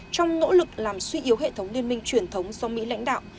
trong nỗ lực làm suy yếu hệ thống liên minh truyền thống do mỹ lãnh đạo